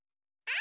あ！